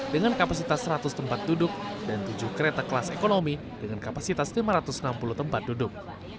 dengan kapasitas seratus tempat duduk dan tujuh kereta kelas ekonomi dengan kapasitas lima ratus enam puluh tempat duduk